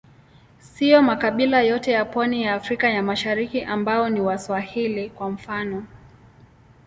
Siyo makabila yote ya pwani ya Afrika ya Mashariki ambao ni Waswahili, kwa mfano.